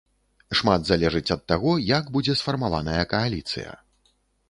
Шмат залежыць ад таго, як будзе сфармаваная кааліцыя.